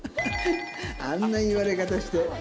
あんな言われ方して。